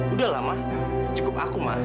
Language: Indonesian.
udahlah mah cukup aku mah